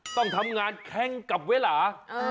ต้องทำงานแข้งกับเวลา